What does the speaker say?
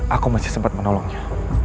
aku masih sempat menolongnya